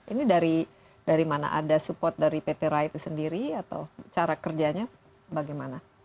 ini dari mana ada support dari pt rai itu sendiri atau cara kerjanya bagaimana